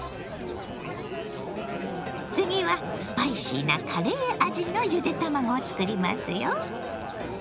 次はスパイシーなカレー味のゆで卵を作りますよ。